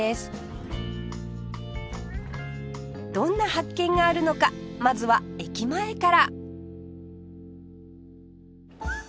どんな発見があるのかまずは駅前から